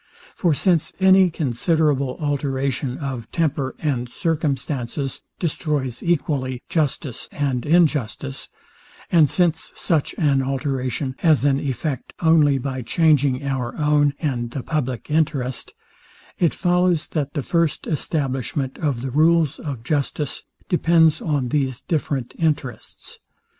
For since any considerable alteration of temper and circumstances destroys equally justice and injustice; and since such an alteration has an effect only by changing our own and the publick interest; it follows, that the first establishment of the rules of justice depends on these different interests.